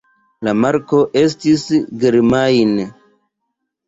La marko estis Germain.